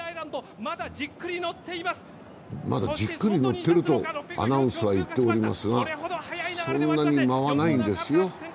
まだじっくり乗ってるとアナウンスは言っておりますがそんなに間はないんですよ。